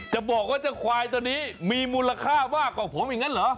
จะบอกว่าเจ้าควายตัวนี้มีมูลค่ามากกว่าผมอย่างนั้นเหรอ